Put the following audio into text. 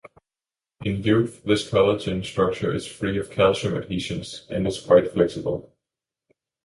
In youth, this collagen structure is free of calcium adhesions and is quite flexible.